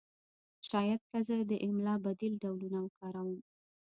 شاید که زه د املا بدیل ډولونه وکاروم